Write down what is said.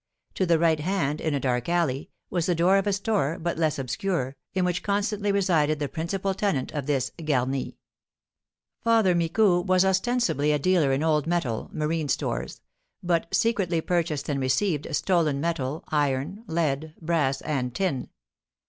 To the right hand, in a dark alley, was the door of a store, not less obscure, in which constantly resided the principal tenant of this garni. Father Micou was ostensibly a dealer in old metal ("marine stores"), but secretly purchased and received stolen metal, iron, lead, brass, and tin.